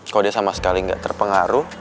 kalo dia sama sekali gak terpengaruh